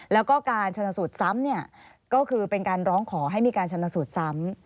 แล้วก็การชนสูตรซ้ำก็คือเป็นการร้องขอให้มีการชนสูตรซ้ำ